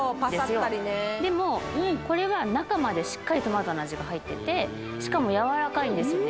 そうパサッたりねうんでもこれは中までしっかりトマトの味が入っててしかもやわらかいんですよね